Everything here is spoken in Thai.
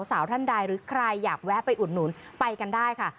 สาวท่านใดหรือใครอยากแวะไปอุดหนุนไปกันได้ค่ะ